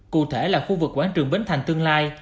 cụ thể là khu vực quảng trường bến thành tương lai